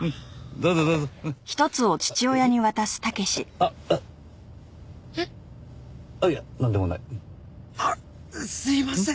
あっすいません。